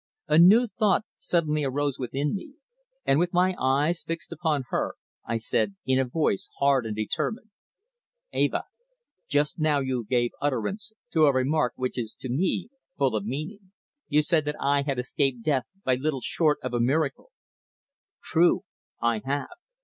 A new thought suddenly arose within me, and with my eyes fixed upon her I said, in a voice hard and determined "Eva, just now you gave utterance to a remark which is to me full of meaning. You said that I had escaped death by little short of a miracle. True, I have."